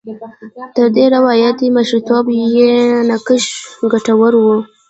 تر دې روایاتي مشرتوب یې نقش ګټور و.